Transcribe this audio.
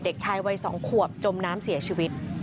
เด็กชายวัย๒ขวบจมน้ำเสียชีวิต